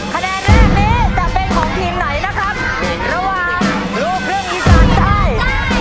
คะแนนแรกนี้จะเป็นของทีมไหนนะครับระหว่างลูกครึ่งอีสานใต้